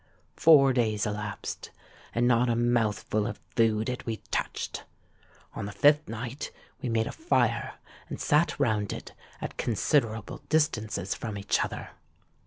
Four days elapsed—and not a mouthful of food had we touched. On the fifth night we made a fire, and sate round it at considerable distances from each other.